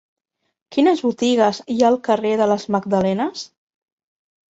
Quines botigues hi ha al carrer de les Magdalenes?